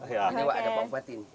ini pak ada pak bupati